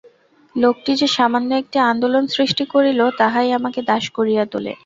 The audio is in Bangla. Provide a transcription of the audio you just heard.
লোকটি যে সামান্য একটি আন্দোলন সৃষ্টি করিল, তাহাই আমাকে দাস করিয়া তোলে।